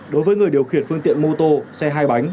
đối với người điều khiển phương tiện mô tô xe hai bánh